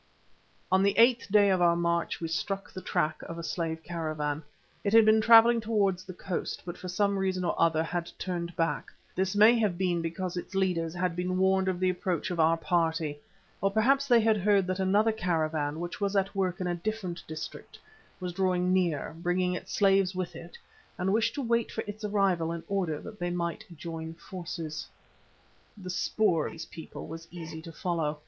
On the eighth day of our march we struck the track of a slave caravan. It had been travelling towards the coast, but for some reason or other had turned back. This may have been because its leaders had been warned of the approach of our party. Or perhaps they had heard that another caravan, which was at work in a different district, was drawing near, bringing its slaves with it, and wished to wait for its arrival in order that they might join forces. The spoor of these people was easy to follow.